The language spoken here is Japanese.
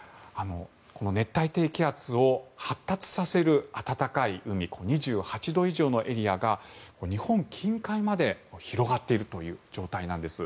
この熱帯低気圧を発達させる暖かい海２８度以上のエリアが日本近海まで広がっているという状態なんです。